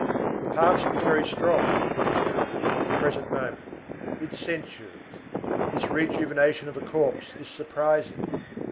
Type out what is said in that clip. The past is very strong, it is true, at the present moment. It censures. This rejuvenation of a corpse is surprising.